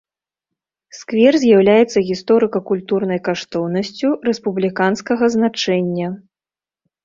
Сквер з'яўляецца гісторыка-культурнай каштоўнасцю рэспубліканскага значэння.